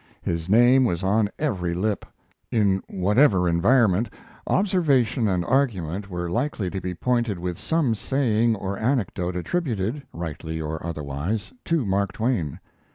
His name was on every lip; in whatever environment observation and argument were likely to be pointed with some saying or anecdote attributed, rightly or otherwise, to Mark Twain.